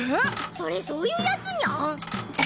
それそういうやつニャン？